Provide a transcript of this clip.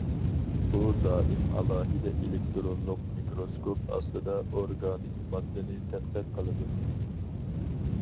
ئۇ دائىم ئالاھىدە ئېلېكتىرونلۇق مىكروسكوپ ئاستىدا ئورگانىك ماددىنى تەتقىق قىلىدۇ.